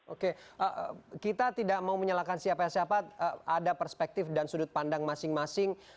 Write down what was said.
oke kita tidak mau menyalahkan siapa siapa ada perspektif dan sudut pandang masing masing